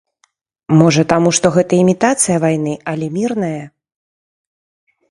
Можа, таму што гэта імітацыя вайны, але мірная?